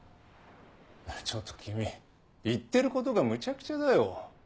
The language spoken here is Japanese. ちょっと君言ってることがムチャクチャだよ。